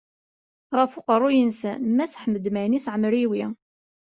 Ɣef uqerruy-nsen mass Ḥmed Manis Ɛemriwi.